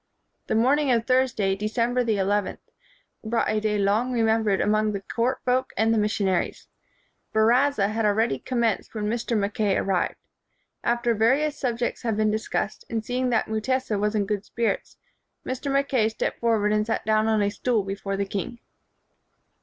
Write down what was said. The morning of Thursday, December the eleventh, brought a day long remembered among the court folk and the missionaries. Baraza had already commenced when Mr. Mackay arrived. After various subjects had been discussed, and seeing that Mutesa was in good spirits, Mr. Mackay stepped for ward and sat down on a stool before the king.